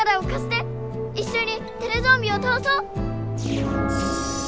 いっしょにテレゾンビをたおそう！